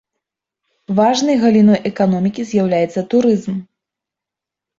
Важнай галіной эканомікі з'яўляецца турызм.